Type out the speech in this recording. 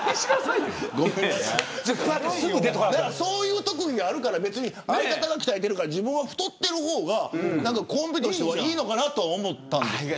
そういう特技があるから別に相方が鍛えているから自分は太っている方がコンビとしてはいいのかなと思ったんですが。